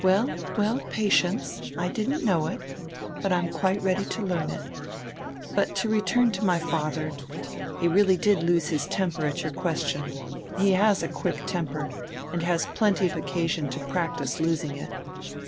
"Well, well, patience! I didn't know it, but I'm quite ready to learn it. But to return to my father, he really did lose his temper at your question he has a quick temper, and has plenty of occasion to practise losing it.